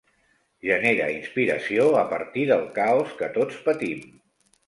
Genera inspiració a partir del caos que tots patim.